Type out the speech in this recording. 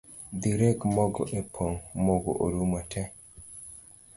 Dhi reg Mogo epong, Mogo orumo tee